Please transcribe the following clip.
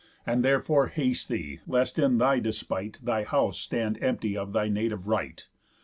And therefore haste thee, lest, in thy despite, Thy house stand empty of thy native right.